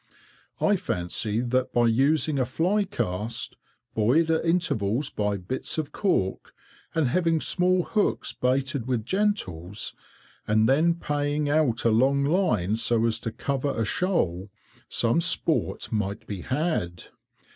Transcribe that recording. I fancy that by using a fly cast, buoyed at intervals by bits of cork, and having small hooks baited with gentles, and then paying out a long line so as to cover a shoal, some sport might be had.